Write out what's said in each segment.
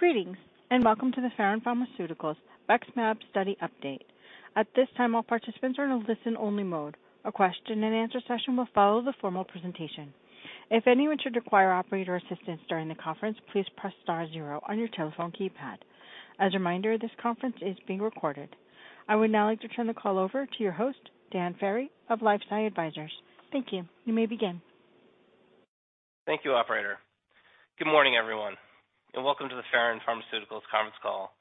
Greetings, welcome to the Faron Pharmaceuticals BEXMAB study update. At this time, all participants are in a listen-only mode. A question and answer session will follow the formal presentation. If anyone should require operator assistance during the conference, please press star zero on your telephone keypad. As a reminder, this conference is being recorded. I would now like to turn the call over to your host, Dan Ferry of LifeSci Advisors. Thank you. You may begin. Thank you, operator. Good morning, everyone, and welcome to the Faron Pharmaceuticals conference call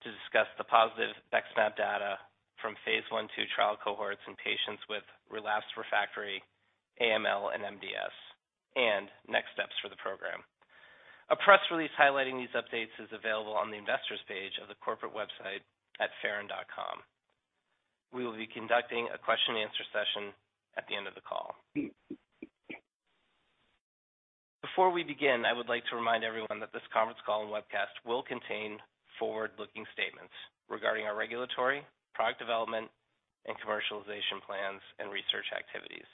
to discuss the positive BEXMAB data from phase I/II trial cohorts in patients with relapsed refractory AML and MDS, and next steps for the program. A press release highlighting these updates is available on the Investors page of the corporate website at faron.com. We will be conducting a question and answer session at the end of the call. Before we begin, I would like to remind everyone that this conference call and webcast will contain forward-looking statements regarding our regulatory, product development, and commercialization plans and research activities.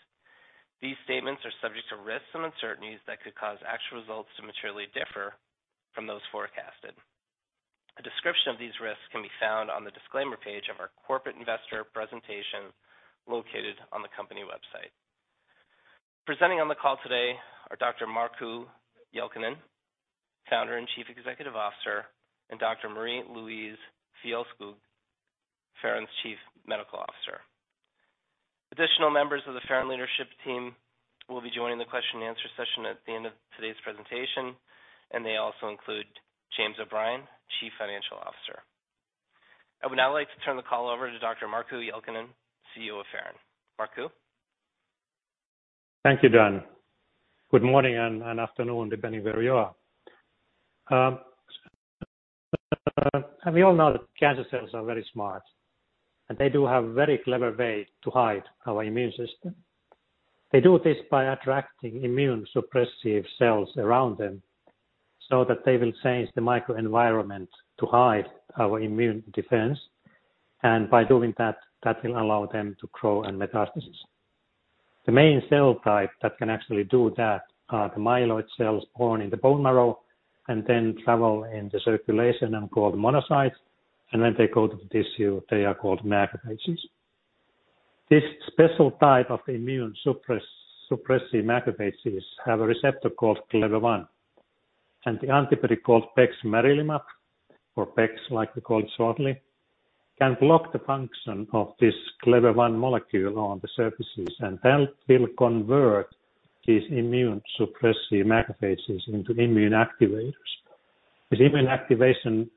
These statements are subject to risks and uncertainties that could cause actual results to materially differ from those forecasted. A description of these risks can be found on the Disclaimer page of our corporate investor presentation, located on the company website. Presenting on the call today are Dr. Markku Jalkanen, Founder and Chief Executive Officer, and Dr. Marie-Louise Fjällskog, Faron's Chief Medical Officer. Additional members of the Faron leadership team will be joining the question and answer session at the end of today's presentation. They also include James O'Brien, Chief Financial Officer. I would now like to turn the call over to Dr. Markku Jalkanen, CEO of Faron. Markku? Thank you, Dan. Good morning and afternoon, depending where you are. We all know that cancer cells are very smart, and they do have very clever way to hide our immune system. They do this by attracting immune suppressive cells around them, so that they will change the microenvironment to hide our immune defense, and by doing that will allow them to grow and metastasis. The main cell type that can actually do that are the myeloid cells born in the bone marrow and then travel in the circulation and called monocytes, and then they go to the tissue, they are called macrophages. This special type of immune suppressive macrophages have a receptor called CLEVER-1, and the antibody called Bexmarilimab, or Bex, like we call it shortly, can block the function of this CLEVER-1 molecule on the surfaces, and that will convert these immune suppressive macrophages into immune activators. This immune activation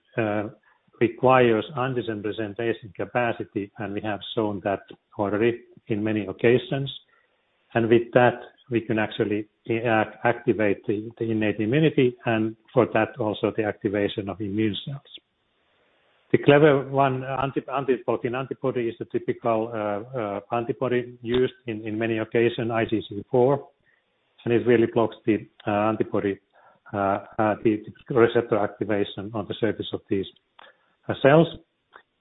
requires antigen presentation capacity, and we have shown that already in many occasions. With that, we can actually activate the innate immunity, and for that, also the activation of immune cells. The CLEVER-1 anti-protein antibody is a typical IgG4 antibody used in many occasion, and it really blocks the receptor activation on the surface of these cells,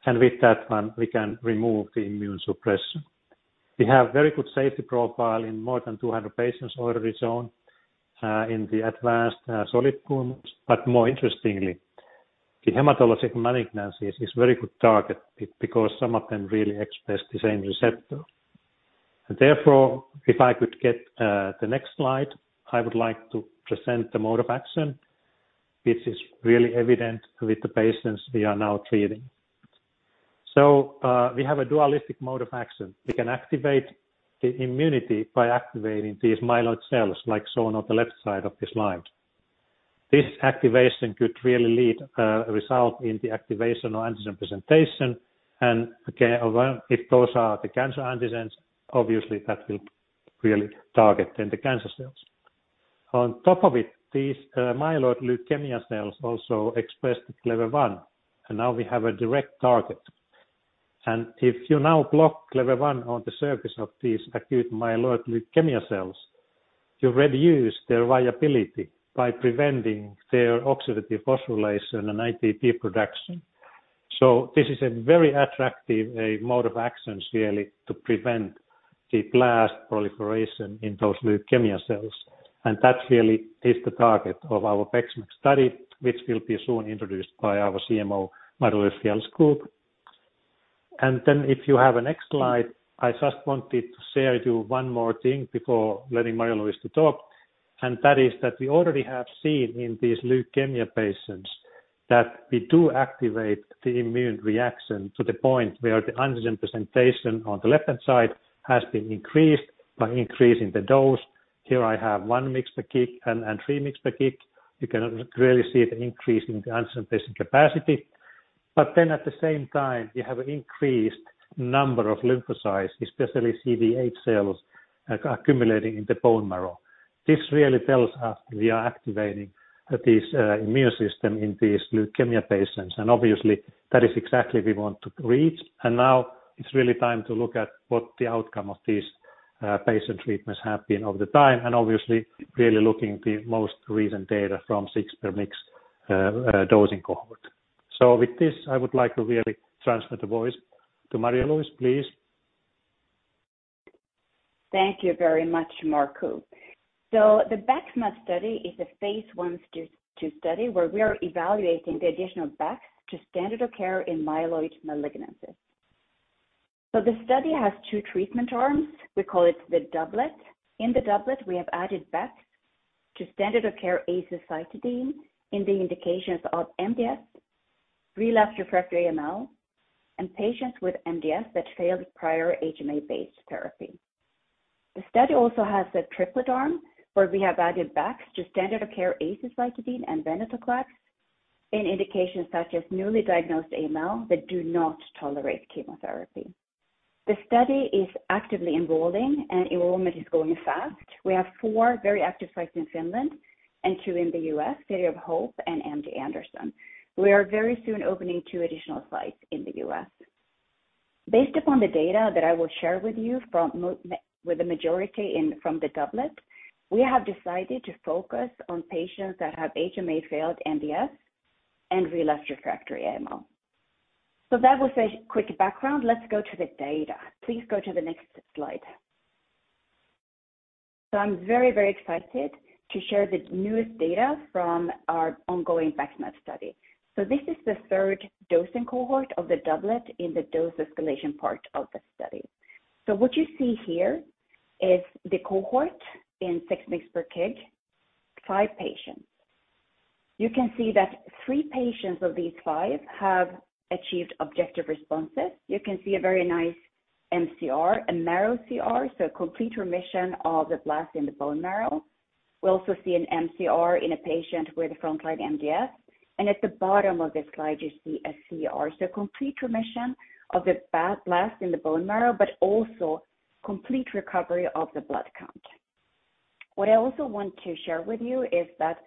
and with that one, we can remove the immune suppression. We have very good safety profile in more than 200 patients already shown in the advanced solid tumors, but more interestingly, the hematologic malignancies is very good target because some of them really express the same receptor. Therefore, if I could get the next slide, I would like to present the mode of action, which is really evident with the patients we are now treating. We have a dualistic mode of action. We can activate the immunity by activating these myeloid cells, like shown on the left side of this slide. This activation could really lead a result in the activation or antigen presentation, and again, if those are the cancer antigens, obviously that will really target then the cancer cells. On top of it, these myeloid leukemia cells also express the CLEVER-1, and now we have a direct target. If you now block CLEVER-1 on the surface of these acute myeloid leukemia cells, you reduce their viability by preventing their oxidative phosphorylation and ATP production. This is a very attractive mode of actions really, to prevent the blast proliferation in those leukemia cells. That really is the target of our BEXMAB study, which will be soon introduced by our CMO, Marie-Louise Fjällskog. If you have a next slide, I just wanted to share with you one more thing before letting Marie-Louise to talk. That is that we already have seen in these leukemia patients that we do activate the immune reaction to the point where the antigen presentation on the left-hand side has been increased by increasing the dose. Here I have 1 mg per kg and 3 mg per kg. You can really see the increase in the antigen presentation capacity. At the same time, you have increased number of lymphocytes, especially CD8 cells, accumulating in the bone marrow. This really tells us we are activating this immune system in these leukemia patients. Obviously that is exactly we want to reach. Now it's really time to look at what the outcome of these patient treatments have been over the time. Obviously really looking at the most recent data from 6 per mg dosing cohort. With this, I would like to really transfer the voice to Marie-Louise, please.... Thank you very much, Markku. The BEXMAB study is a phase I/II study where we are evaluating the additional Bex to standard of care in myeloid malignancies. The study has 2 treatment arms. We call it the doublet. In the doublet, we have added Bex to standard of care azacitidine in the indications of MDS, relapsed refractory AML, and patients with MDS that failed prior HMA-based therapy. The study also has a triplet arm, where we have added Bex to standard of care azacitidine and venetoclax in indications such as newly diagnosed AML that do not tolerate chemotherapy. The study is actively enrolling, and enrollment is going fast. We have 4 very active sites in Finland and 2 in the U.S., City of Hope and MD Anderson. We are very soon opening 2 additional sites in the U.S. Based upon the data that I will share with you with the majority in from the doublet, we have decided to focus on patients that have HMA-failed MDS and relapsed refractory AML. That was a quick background. Let's go to the data. Please go to the next slide. I'm very excited to share the newest data from our ongoing BEXMAB study. This is the third dosing cohort of the doublet in the dose escalation part of the study. What you see here is the cohort in 6 mg per kg, 5 patients. You can see that 3 patients of these 5 have achieved objective responses. You can see a very nice mCR, a narrow CR, so complete remission of the blast in the bone marrow. We also see an mCR in a patient with a frontline MDS. At the bottom of this slide, you see a CR. Complete remission of the blast in the bone marrow, also complete recovery of the blood count. What I also want to share with you is that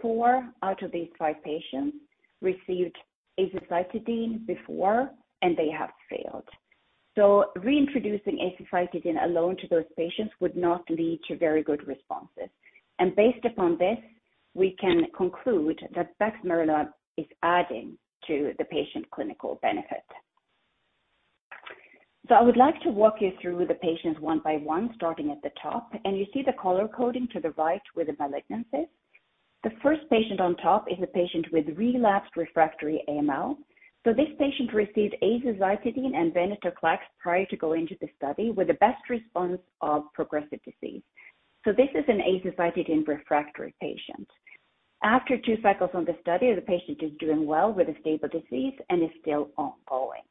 4 out of these 5 patients received azacitidine before. They have failed. Reintroducing azacitidine alone to those patients would not lead to very good responses. Based upon this, we can conclude that bexmarilimab is adding to the patient clinical benefit. I would like to walk you through the patients one by one, starting at the top. You see the color coding to the right with the malignancies. The first patient on top is a patient with relapsed refractory AML. This patient received azacitidine and venetoclax prior to going into the study, with the best response of progressive disease. This is an azacitidine-refractory patient. After two cycles on the study, the patient is doing well with a stable disease and is still ongoing.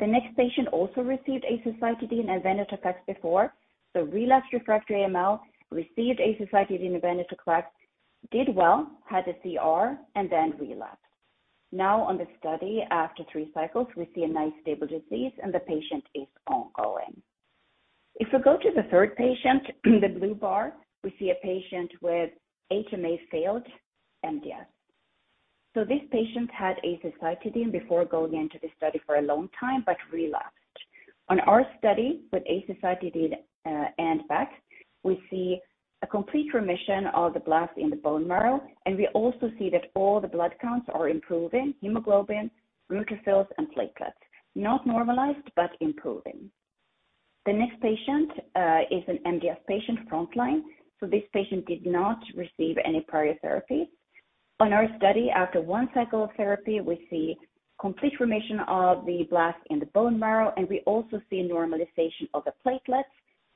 The next patient also received azacitidine and venetoclax before, so relapsed refractory AML, received azacitidine and venetoclax, did well, had a CR, and then relapsed. Now on the study, after three cycles, we see a nice stable disease, and the patient is ongoing. If we go to the third patient, the blue bar, we see a patient with HMA-failed MDS. This patient had azacitidine before going into the study for a long time but relapsed. On our study with azacitidine and Bex, we see a complete remission of the blast in the bone marrow, and we also see that all the blood counts are improving, hemoglobin, neutrophils, and platelets. Not normalized, but improving. The next patient is an MDS patient, frontline, so this patient did not receive any prior therapy. On our study, after 1 cycle of therapy, we see complete remission of the blast in the bone marrow, and we also see normalization of the platelets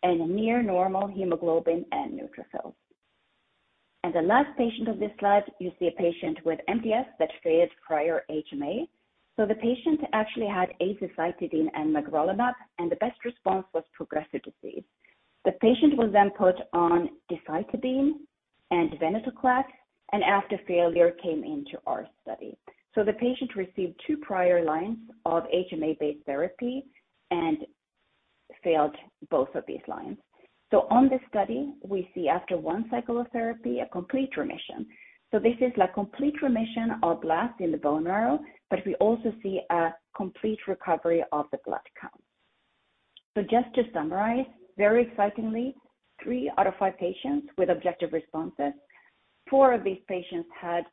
and a near normal hemoglobin and neutrophils. The last patient on this slide, you see a patient with MDS that failed prior HMA. The patient actually had azacitidine and magrolimab, and the best response was progressive disease. The patient was then put on decitabine and venetoclax, and after failure, came into our study. The patient received two prior lines of HMA-based therapy and failed both of these lines. On this study, we see after one cycle of therapy, a complete remission. This is a complete remission of blast in the bone marrow, but we also see a complete recovery of the blood count. Just to summarize, very excitingly, three out of five patients with objective responses, four of these patients had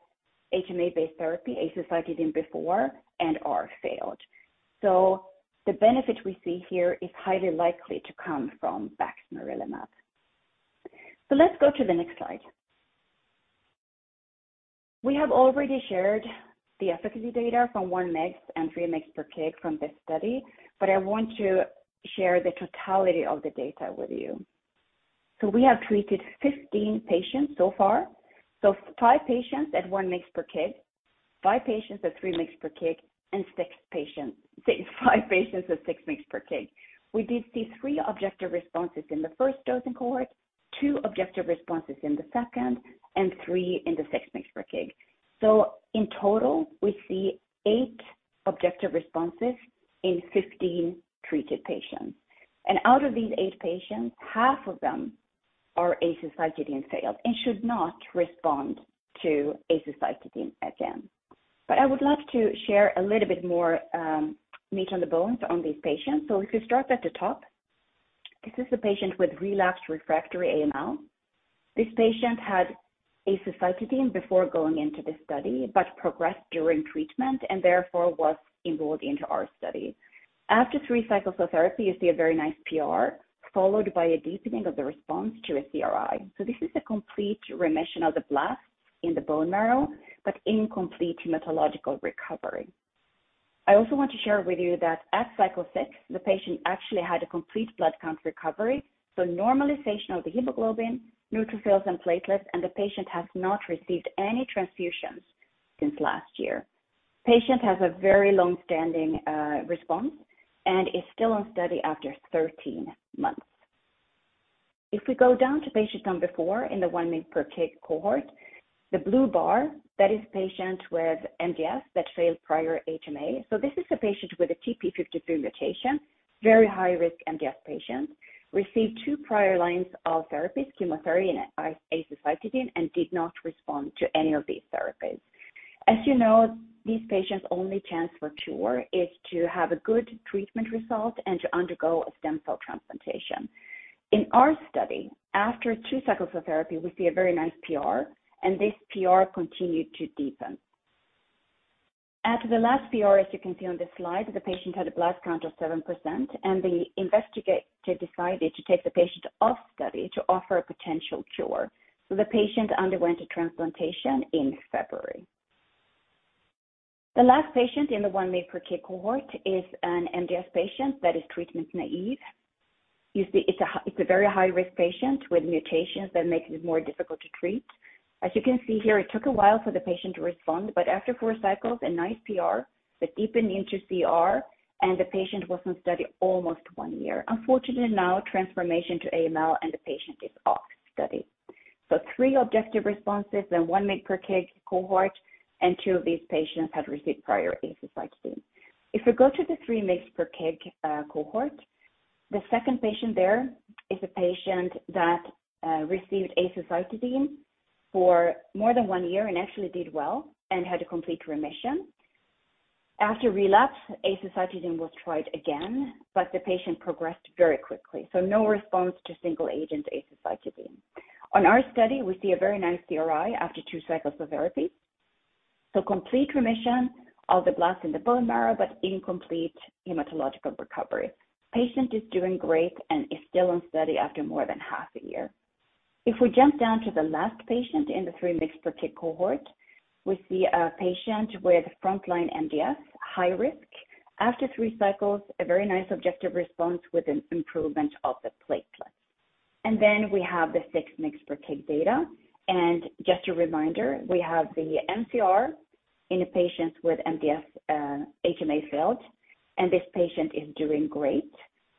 HMA-based therapy, azacitidine before and are failed. The benefit we see here is highly likely to come from bexmarilimab. Let's go to the next slide. We have already shared the efficacy data from one mg and three mg per kg from this study, but I want to share the totality of the data with you. We have treated 15 patients so far. Five patients at 1 mg per kg, five patients at 3 mg per kg, and five patients at 6 mg per kg. We did see three objective responses in the first dosing cohort, two objective responses in the second, and three in the 6 mg per kg. In total, we see eight objective responses in 15 treated patients. Out of these eight patients, half of them are azacitidine failed and should not respond to azacitidine again. I would love to share a little bit more meat on the bone on these patients. If you start at the top, this is a patient with relapsed refractory AML. This patient had azacitidine before going into the study, but progressed during treatment and therefore was enrolled into our study. After three cycles of therapy, you see a very nice PR, followed by a deepening of the response to a CRi. This is a complete remission of the blast in the bone marrow, but incomplete hematological recovery. I also want to share with you that at cycle six, the patient actually had a complete blood count recovery, so normalization of the hemoglobin, neutrophils, and platelets, and the patient has not received any transfusions since last year. Patient has a very long-standing response and is still on study after 13 months. If we go down to patient number four in the one mg per kg cohort, the blue bar, that is patient with MDS that failed prior HMA. This is a patient with a TP53 mutation, very high-risk MDS patient. Received 2 prior lines of therapy, chemotherapy and azacitidine, and did not respond to any of these therapies. As you know, these patients' only chance for cure is to have a good treatment result and to undergo a stem cell transplantation. In our study, after 2 cycles of therapy, we see a very nice PR, and this PR continued to deepen. After the last PR, as you can see on this slide, the patient had a blast count of 7%, and the investigator decided to take the patient off study to offer a potential cure. The patient underwent a transplantation in February. The last patient in the 1 mg per kg cohort is an MDS patient that is treatment naive. You see, it's a very high-risk patient with mutations that makes it more difficult to treat. As you can see here, it took a while for the patient to respond, but after 4 cycles, a nice PR, that deepened into CR, and the patient was on study almost 1 year. Unfortunately, now transformation to AML and the patient is off study. 3 objective responses in 1 mg per kg cohort, and 2 of these patients had received prior azacitidine. If we go to the 3 mg per kg cohort, the 2nd patient there is a patient that received azacitidine for more than 1 year and actually did well and had a complete remission. After relapse, azacitidine was tried again, but the patient progressed very quickly, so no response to single-agent azacitidine. On our study, we see a very nice CRi after 2 cycles of therapy. Complete remission of the blast in the bone marrow, but incomplete hematological recovery. Patient is doing great and is still on study after more than half a year. If we jump down to the last patient in the 3 mgs per kg cohort, we see a patient with frontline MDS, high risk. After 3 cycles, a very nice objective response with an improvement of the platelets. Then we have the 6 mgs per kg data. Just a reminder, we have the mCR in a patient with MDS, HMA failed, and this patient is doing great.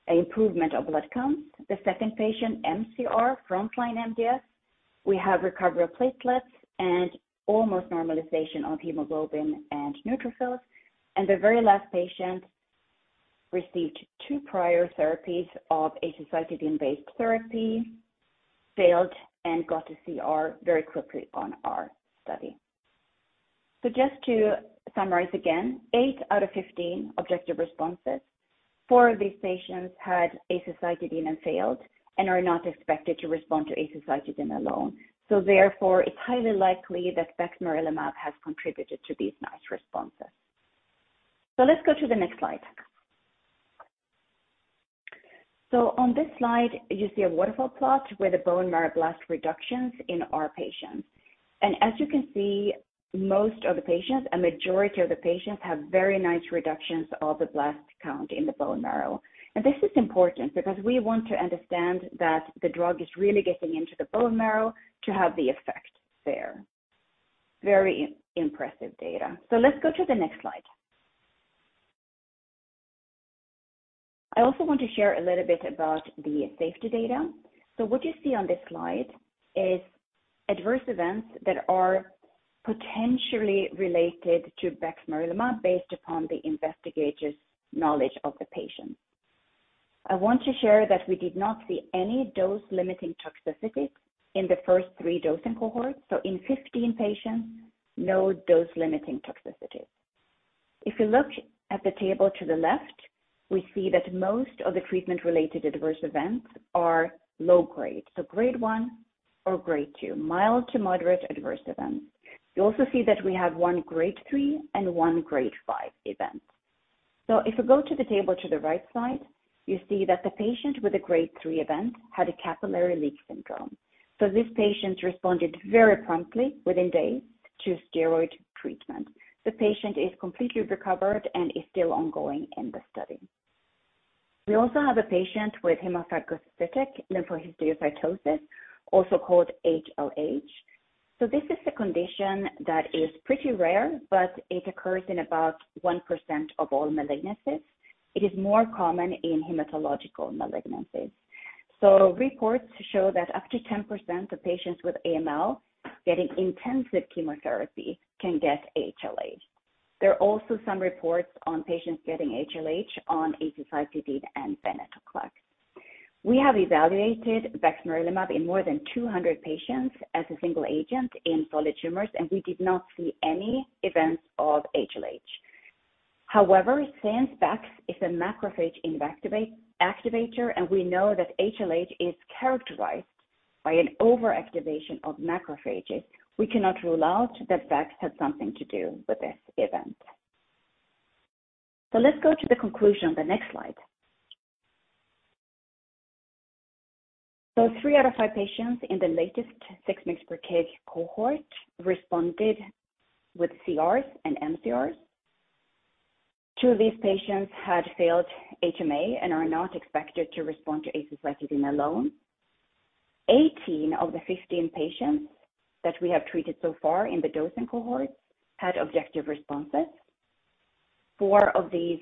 Improvement of blood count. The second patient, mCR, frontline MDS. We have recovery of platelets and almost normalization of hemoglobin and neutrophils. The very last patient received 2 prior therapies of azacitidine-based therapy, failed, and got to CR very quickly on our study. Just to summarize again, 8 out of 15 objective responses. Four of these patients had azacitidine and failed and are not expected to respond to azacitidine alone. Therefore, it's highly likely that bexmarilimab has contributed to these nice responses. Let's go to the next slide. On this slide, you see a waterfall plot with the bone marrow blast reductions in our patients. As you can see, most of the patients, a majority of the patients, have very nice reductions of the blast count in the bone marrow. This is important because we want to understand that the drug is really getting into the bone marrow to have the effect there. Very impressive data. Let's go to the next slide. I also want to share a little bit about the safety data. What you see on this slide is adverse events that are potentially related to bexmarilimab, based upon the investigator's knowledge of the patient. I want to share that we did not see any dose-limiting toxicities in the first 3 dosing cohorts. In 15 patients, no dose-limiting toxicities. If you look at the table to the left, we see that most of the treatment-related adverse events are low grade, so grade 1 or grade 2, mild to moderate adverse events. You also see that we have 1 grade 3 and 1 grade 5 event. If you go to the table to the right side, you see that the patient with a grade 3 event had a capillary leak syndrome. This patient responded very promptly, within days, to steroid treatment. The patient is completely recovered and is still ongoing in the study. We also have a patient with hemophagocytic lymphohistiocytosis, also called HLH. This is a condition that is pretty rare, but it occurs in about 1% of all malignancies. It is more common in hematological malignancies. Reports show that up to 10% of patients with AML getting intensive chemotherapy can get HLH. There are also some reports on patients getting HLH on azacitidine and venetoclax. We have evaluated bexmarilimab in more than 200 patients as a single agent in solid tumors, and we did not see any events of HLH. However, since Bex is a macrophage activator, and we know that HLH is characterized by an overactivation of macrophages, we cannot rule out that Bex had something to do with this event. Let's go to the conclusion on the next slide. 3 out of 5 patients in the latest 6 mix per kg cohort responded with CRs and mCRs. 2 of these patients had failed HMA and are not expected to respond to azacitidine alone. 18 of the 15 patients that we have treated so far in the dosing cohort had objective responses. 4 of these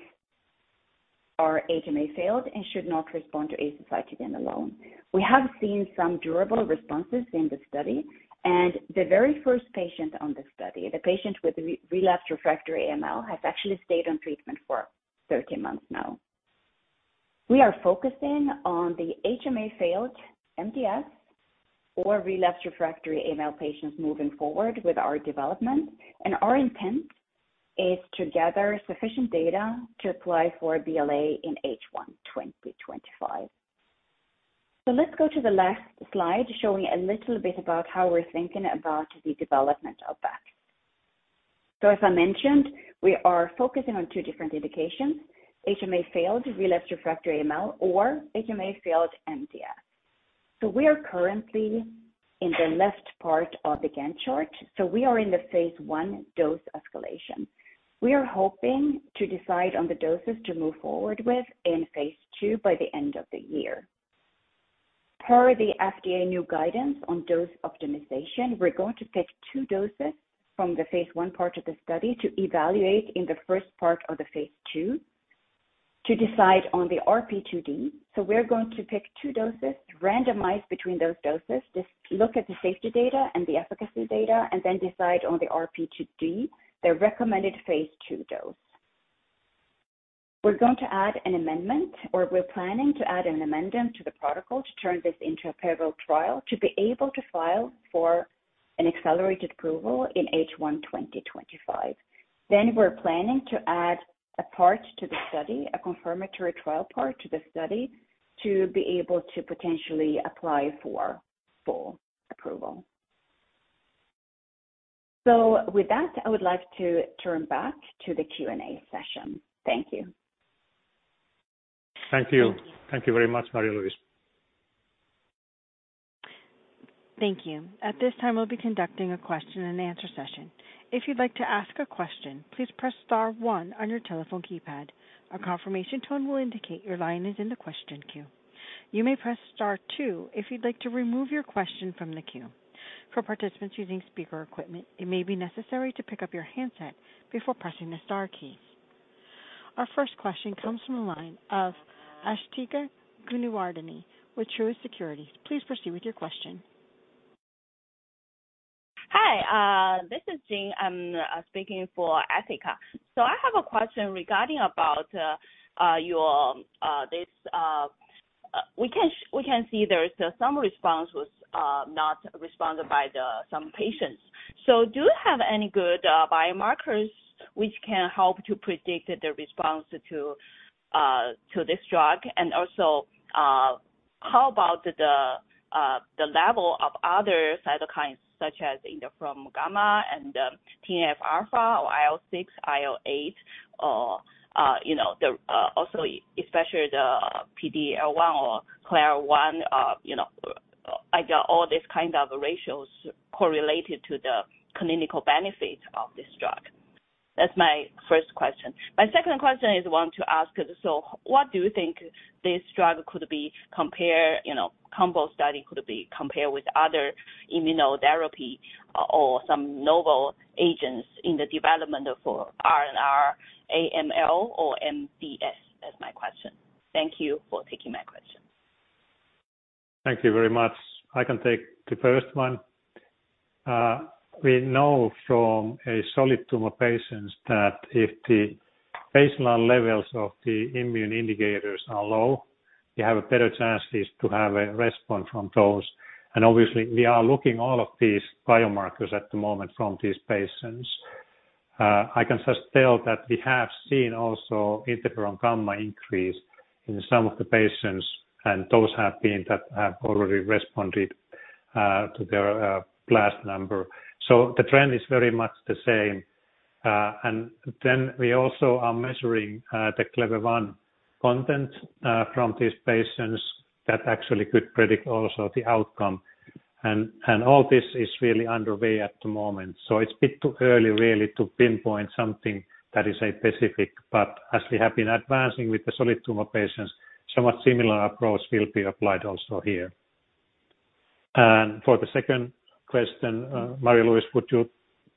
are HMA failed and should not respond to azacitidine alone. We have seen some durable responses in the study, and the very first patient on the study, the patient with relapsed refractory AML, has actually stayed on treatment for 13 months now. We are focusing on the HMA failed MDS or relapsed refractory AML patients moving forward with our development, and our intent is to gather sufficient data to apply for a BLA in H1, 2025. Let's go to the last slide, showing a little bit about how we're thinking about the development of Bex. As I mentioned, we are focusing on two different indications, HMA failed, relapsed refractory AML, or HMA failed MDS. We are currently in the left part of the Gantt chart, we are in the phase I dose escalation. We are hoping to decide on the doses to move forward with in phase II by the end of the year. Per the FDA new guidance on dose optimization, we're going to pick two doses from the phase I part of the study to evaluate in the first part of the phase II to decide on the RP2D. We're going to pick 2 doses, randomize between those doses, just look at the safety data and the efficacy data, and then decide on the RP2D, the recommended phase two dose. We're going to add an amendment, or we're planning to add an amendment to the protocol to turn this into a parallel trial to be able to file for an accelerated approval in H1 2025. We're planning to add a part to the study, a confirmatory trial part to the study, to be able to potentially apply for full approval. With that, I would like to turn back to the Q&A session. Thank you. Thank you. Thank you very much, Marie-Louise. Thank you. At this time, we'll be conducting a question and answer session. If you'd like to ask a question, please press star one on your telephone keypad. A confirmation tone will indicate your line is in the question queue. You may press star two if you'd like to remove your question from the queue. For participants using speaker equipment, it may be necessary to pick up your handset before pressing the star keys. Our first question comes from the line of Ashthika Goonewardene with Truist Securities. Please proceed with your question. Hi, this is Jing. I'm speaking for Asthika. I have a question regarding about your this, we can see there is some response was not responded by the some patients. Do you have any good biomarkers which can help to predict the response to this drug? Also, how about the level of other cytokines such as interferon gamma and TNF-alpha or IL-6, IL-8, or, you know, the also especially the PD-L1 or CLEVER-1, you know, are there all these kind of ratios correlated to the clinical benefit of this drug? That's my first question. My second question is I want to ask, so what do you think this drug could be compared, you know, combo study could be compared with other immunotherapy or some novel agents in the development of RNR, AML, or MDS? That's my question. Thank you for taking my question. Thank you very much. I can take the first one. We know from a solid tumor patients that if the baseline levels of the immune indicators are low, you have a better chances to have a response from those. Obviously, we are looking all of these biomarkers at the moment from these patients. I can just tell that we have seen also interferon gamma increase in some of the patients, and those have been that have already responded to their blast number. The trend is very much the same. We also are measuring the CLE-1 content from these patients that actually could predict also the outcome. All this is really underway at the moment, so it's a bit too early really to pinpoint something that is a specific. As we have been advancing with the solid tumor patients, somewhat similar approach will be applied also here. For the second question, Marie-Louise, would you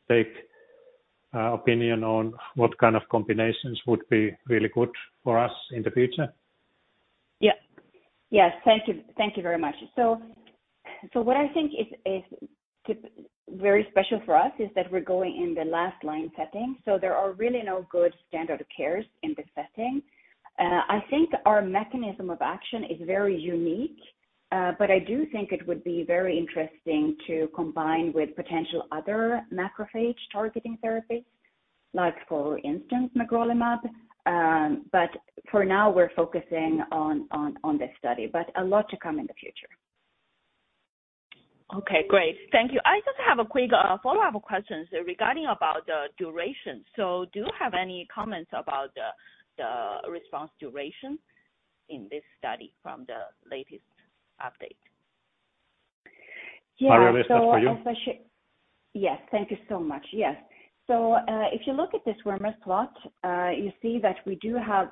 take opinion on what kind of combinations would be really good for us in the future? Yeah. Yes, thank you. Thank you very much. So what I think is very special for us is that we're going in the last line setting, so there are really no good standard of cares in this setting. I think our mechanism of action is very unique, but I do think it would be very interesting to combine with potential other macrophage-targeting therapies, like, for instance, magrolimab. For now, we're focusing on this study, but a lot to come in the future. Okay, great. Thank you. I just have a quick, follow-up question regarding about the duration. Do you have any comments about the response duration in this study from the latest update? Yeah. Marie, is that for you? As I should. Yes, thank you so much. Yes. If you look at this Waterfall plot, you see that we do have.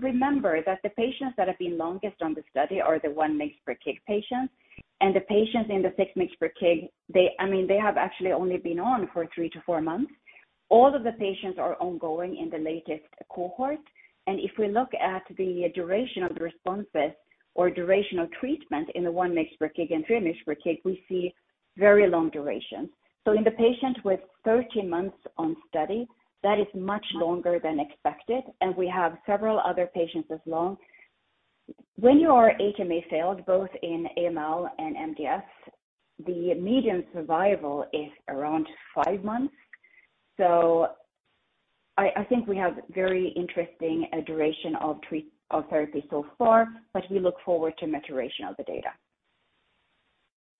Remember that the patients that have been longest on the study are the 1 mg per kg patients, and the patients in the 6 mg per kg, they, I mean, they have actually only been on for 3 to 4 months. All of the patients are ongoing in the latest cohort, and if we look at the duration of the responses or duration of treatment in the 1 mg per kg and 3 mg per kg, we see very long durations. In the patient with 13 months on study, that is much longer than expected, and we have several other patients as long. When your HMA failed, both in AML and MDS, the median survival is around 5 months. I think we have very interesting duration of therapy so far, but we look forward to maturation of the data.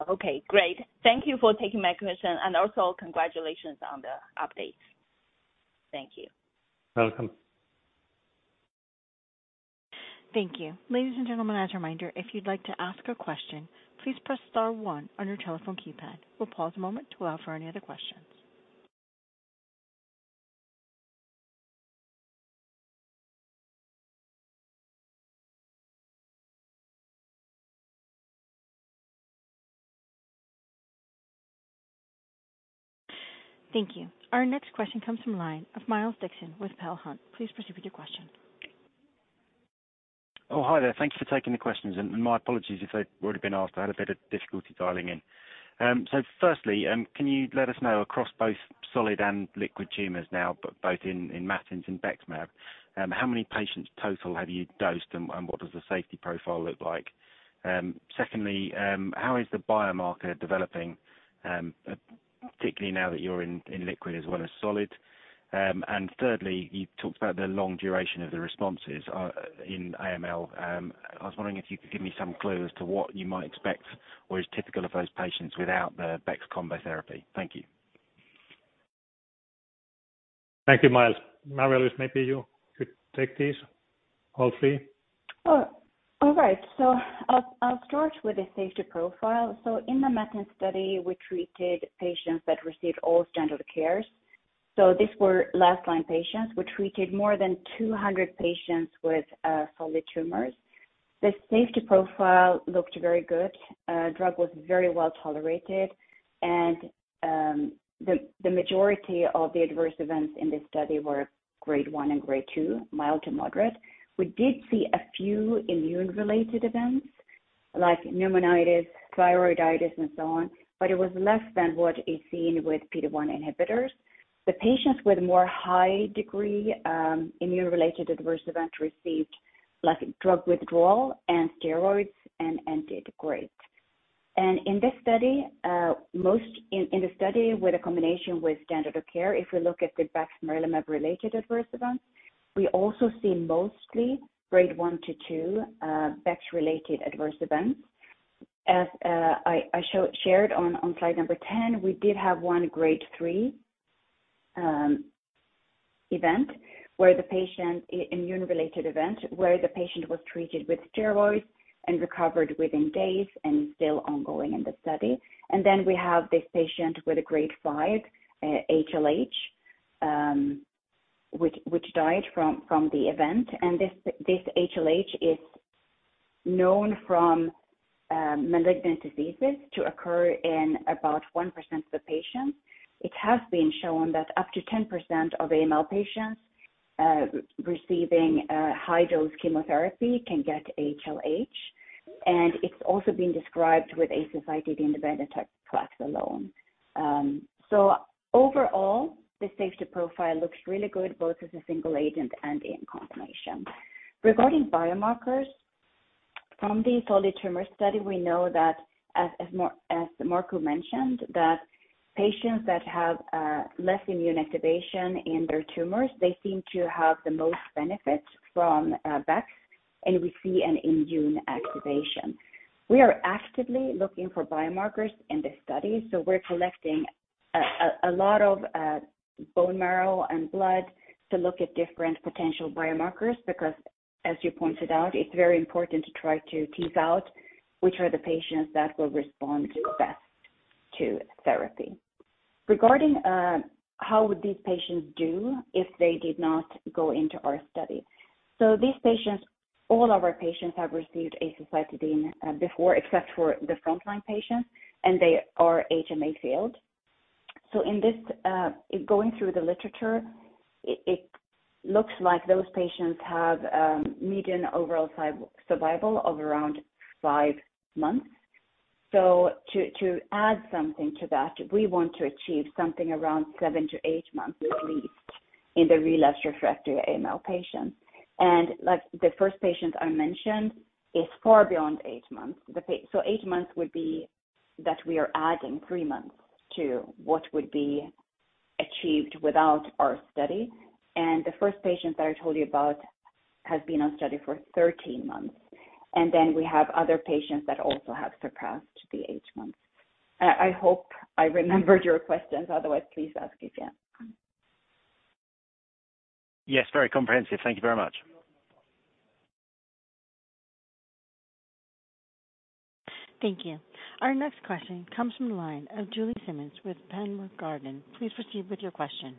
Okay, great. Thank you for taking my question, and also congratulations on the update. Thank you. Welcome. Thank you. Ladies and gentlemen, as a reminder, if you'd like to ask a question, please press star 1 on your telephone keypad. We'll pause a moment to allow for any other questions. Thank you. Our next question comes from line of Miles Dixon with Peel Hunt. Please proceed with your question. Oh, hi there. Thank you for taking the questions, and my apologies if they've already been asked. I had a bit of difficulty dialing in. Firstly, can you let us know across both solid and liquid tumors now, but both in MATINS and BEXMAB, how many patients total have you dosed, and what does the safety profile look like? Secondly, how is the biomarker developing, particularly now that you're in liquid as well as solid? Thirdly, you talked about the long duration of the responses in AML. I was wondering if you could give me some clue as to what you might expect or is typical of those patients without the Bex combo therapy? Thank you. Thank you, Miles. Marie-Louise, maybe you could take these, all three. All right. I'll start with the safety profile. In the MATINS study, we treated patients that received all standard cares. These were last line patients. We treated more than 200 patients with solid tumors. The safety profile looked very good. Drug was very well tolerated, and the majority of the adverse events in this study were grade 1 and grade 2, mild to moderate. We did see a few immune-related events like pneumonitis, thyroiditis, and so on, but it was less than what is seen with PD-1 inhibitors. The patients with more high degree immune-related adverse event received drug withdrawal and steroids and ended great. In this study, most, in the study with a combination with standard of care, if we look at the bexmarilimab-related adverse events, we also see mostly grade 1 to 2 Bex-related adverse events. As I shared on slide number 10, we did have 1 grade 3 event, where the patient, immune-related event, where the patient was treated with steroids and recovered within days and is still ongoing in the study. We have this patient with a grade 5 HLH, which died from the event. This HLH is known from malignant diseases to occur in about 1% of the patients. It has been shown that up to 10% of AML patients receiving high dose chemotherapy can get HLH, and it's also been described with azacitidine venetoclax alone. Overall, the safety profile looks really good, both as a single agent and in combination. Regarding biomarkers, from the solid tumor study, we know that as Markku mentioned, that patients that have less immune activation in their tumors, they seem to have the most benefit from Bex, and we see an immune activation. We are actively looking for biomarkers in this study, so we're collecting a lot of bone marrow and blood to look at different potential biomarkers, because as you pointed out, it's very important to try to tease out which are the patients that will respond best to therapy. Regarding how would these patients do if they did not go into our study? These patients, all of our patients have received azacitidine before, except for the frontline patients, and they are HMA failed. In this, going through the literature, it looks like those patients have median overall survival of around 5 months. To add something to that, we want to achieve something around 7-8 months at least in the relapsed refractory AML patients. Like the first patients I mentioned, is far beyond 8 months. So 8 months would be that we are adding 3 months to what would be achieved without our study. The first patient that I told you about has been on study for 13 months, and then we have other patients that also have surpassed the 8 months. I hope I remembered your questions, otherwise, please ask again. Yes, very comprehensive. Thank you very much. Thank you. Our next question comes from the line of Julie Simmonds with Panmure Gordon. Please proceed with your question.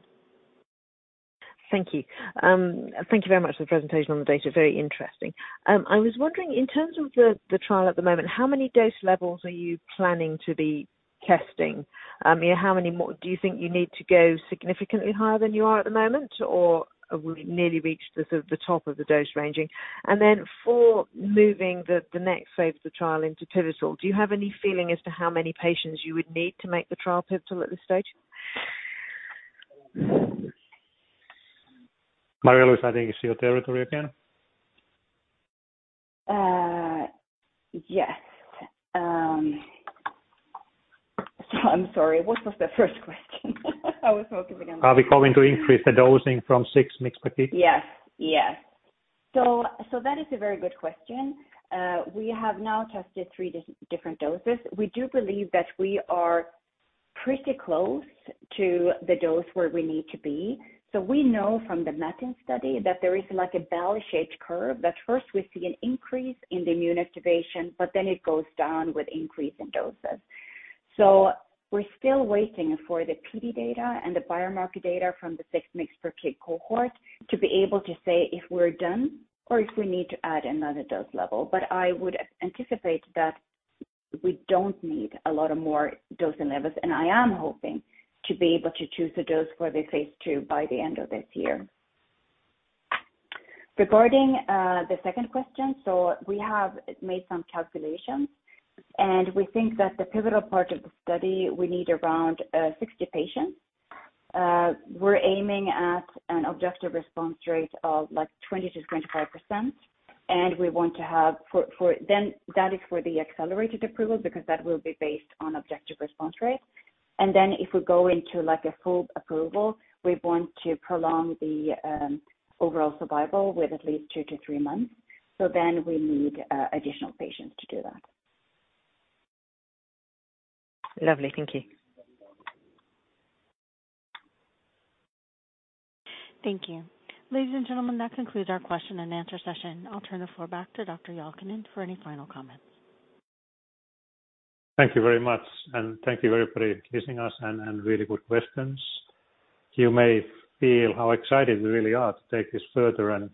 Thank you. Thank you very much for the presentation on the data. Very interesting. I was wondering, in terms of the trial at the moment, how many dose levels are you planning to be testing? Yeah, how many more do you think you need to go significantly higher than you are at the moment, or we nearly reached the top of the dose ranging? For moving the next phase of the trial into pivotal, do you have any feeling as to how many patients you would need to make the trial pivotal at this stage? Marie-Louise, I think it's your territory again. yes. I'm sorry, what was the first question? I was focusing. Are we going to increase the dosing from 6 mix per kid? Yes. Yes. That is a very good question. We have now tested 3 different doses. We do believe that we are pretty close to the dose where we need to be. We know from the MATINS study that there is like a bell-shaped curve, that first we see an increase in the immune activation, but then it goes down with increase in doses. We're still waiting for the PD data and the biomarker data from the 6 mix per kid cohort, to be able to say if we're done or if we need to add another dose level. I would anticipate that we don't need a lot of more dosing levels, and I am hoping to be able to choose a dose for the phase II by the end of this year. Regarding the second question, we have made some calculations, and we think that the pivotal part of the study, we need around 60 patients. We're aiming at an objective response rate of, like, 20%-25%, and we want to have for... That is for the accelerated approval, because that will be based on objective response rate. If we go into, like, a full approval, we want to prolong the overall survival with at least 2-3 months. We need additional patients to do that. Lovely. Thank you. Thank you. Ladies and gentlemen, that concludes our question and answer session. I'll turn the floor back to Dr. Jalkanen for any final comments. Thank you very much, thank you everybody, listening us and really good questions. You may feel how excited we really are to take this further and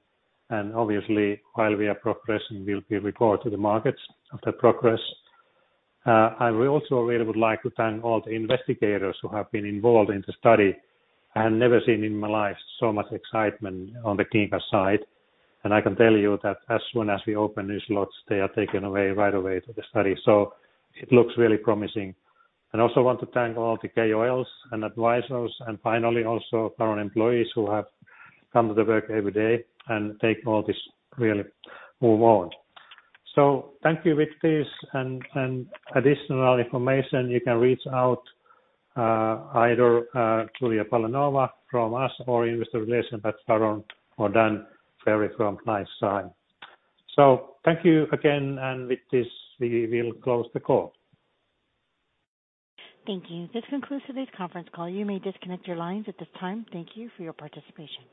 obviously, while we are progressing, we'll be report to the markets of that progress. I will also really would like to thank all the investigators who have been involved in the study. I have never seen in my life so much excitement on the clinical side, and I can tell you that as soon as we open these slots, they are taken away right away to the study. It looks really promising. I also want to thank all the KOLs and advisors, finally, also our own employees who have come to the work every day and take all this really move on. Thank you. With this and additional information, you can reach out, either Julia Balanova from us or investor relations, Sharon or Dan Ferry from LifeSci. Thank you again, and with this, we will close the call. Thank you. This concludes today's conference call. You may disconnect your lines at this time. Thank you for your participation.